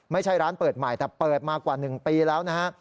ไม่ใช่ร้านเปิดใหม่แต่เปิดมากว่า๑ปีแล้วนะฮะ